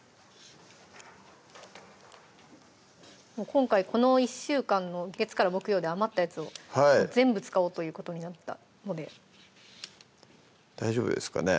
今回この１週間の月から木曜で余ったやつを全部使おうということになったので大丈夫ですかね